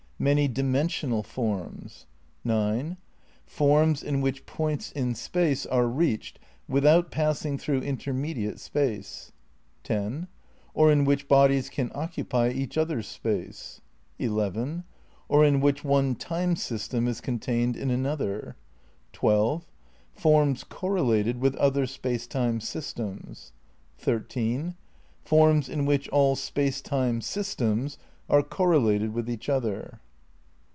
Many dimensional forms. 9. Forms in which points in space are reached without passing through intermediate space, 10. or in which bodies can occupy each other's space. 11. Or in which one time system is contained in another. 12. Forms correlated with other space time systems. 13. Forms in which all space time systems are correlated with each other.